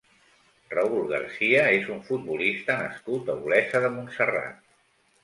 Raúl García és un futbolista nascut a Olesa de Montserrat.